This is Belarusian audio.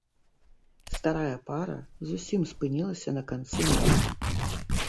Старая пара зусім спынілася на канцы моста.